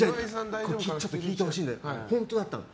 ちょっと聞いてほしいんだけど本当だったの。